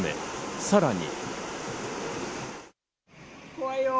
さらに。